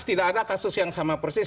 tidak ada kasus yang sama persis